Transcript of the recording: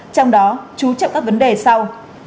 trong đó chú trọng các vấn đề sau